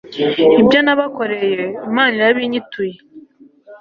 ibyo nabakoreye, imana irabinyituye